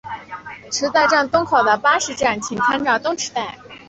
池袋站东口的巴士站请参照东池袋。